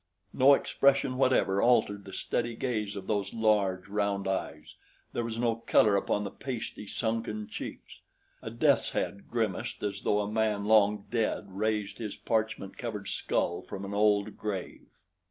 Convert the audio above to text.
No expression whatever altered the steady gaze of those large, round eyes; there was no color upon the pasty, sunken cheeks. A death's head grimaced as though a man long dead raised his parchment covered skull from an old grave.